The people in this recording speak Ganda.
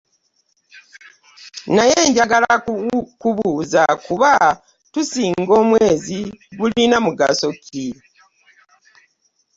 Naye njagala kubuuza kuba tusinga omwezi gulina mugaso kki?